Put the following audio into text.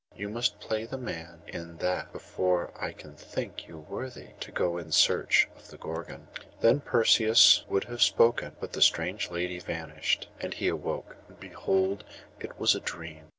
You must play the man in that before I can think you worthy to go in search of the Gorgon.' Then Perseus would have spoken, but the strange lady vanished, and he awoke; and behold, it was a dream.